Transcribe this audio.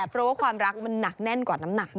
เพราะว่าความรักมันหนักแน่นกว่าน้ำหนัก